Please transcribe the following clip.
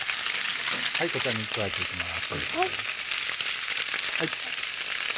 こちらに加えていきます。